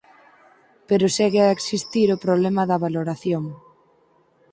Pero segue a existir o problema da valoración.